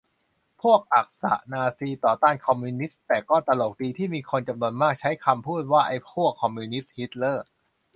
พวกอักษะ-นาซี ต่อต้าน คอมมิวนิสต์ แต่ก็ตลกดี ที่มีคนจำนวนมากใช้คำพูดว่า "ไอ้พวกคอมมิวนิสต์-ฮิตเลอร์"